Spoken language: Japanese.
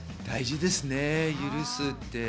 大事ですよね、許すって。